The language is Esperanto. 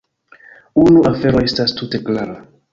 Unu afero estas tute klara.